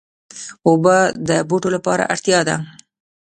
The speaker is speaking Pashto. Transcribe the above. اوبه د بوټو لپاره اړتیا ده.